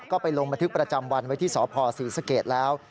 ก็ไปลงบันทึกประจำวันไว้ที่สพศรีสเกตแล้ว